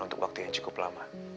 untuk waktu yang cukup lama